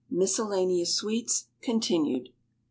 MISCELLANEOUS SWEETS. _Continued.